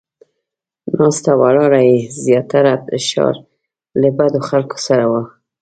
ناسته ولاړه یې زیاتره د ښار له بدو خلکو سره وه.